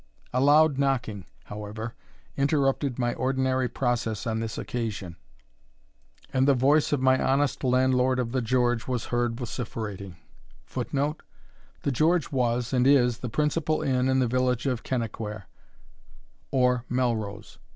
A loud knocking, however, interrupted my ordinary process on this occasion, and the voice of my honest landlord of the George was heard vociferating, [Footnote: The George was, and is, the principal inn in the village of Kennaquhair, or Melrose.